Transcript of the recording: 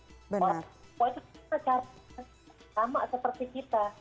orang orang itu punya cara yang sama seperti kita